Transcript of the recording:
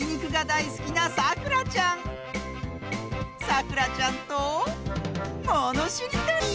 さくらちゃんとものしりとり！